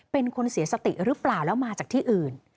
เป็นคนเสียสติหรือเปล่าแล้วมาจากที่อื่น